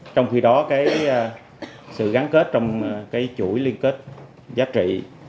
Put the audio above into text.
trong khi đó cái sự gắn kết trong chuỗi liên kết giá trị